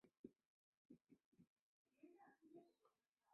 海斯县位美国德克萨斯州中南部的一个县。